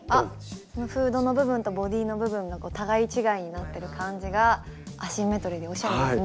フードの部分とボディーの部分が互い違いになってる感じがアシンメトリーで面白いですね。